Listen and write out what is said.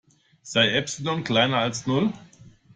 Sei Epsilon kleiner als Null.